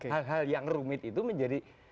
hal hal yang rumit itu menjadi